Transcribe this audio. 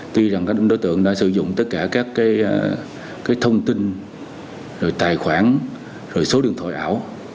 tuy rằng các đối tượng đã sử dụng tất cả các thông tin rồi tài khoản rồi số điện thoại ảo